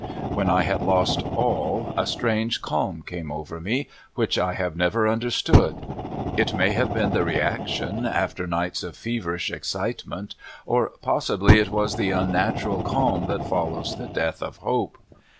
When I had lost all a strange calm came over me, which I have never understood. It may have been the reaction, after nights of feverish excitement, or possibly it was the unnatural calm that follows the death of hope.